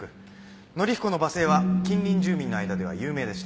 憲彦の罵声は近隣住民の間では有名でした。